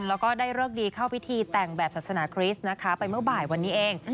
แล้วก็ได้เลิกดีเข้าพิธีแต่งแบบศาสนาคริสต์นะคะไปเมื่อบ่ายวันนี้เอง